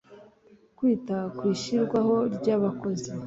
Kwita kwishyirwaho ry abakozi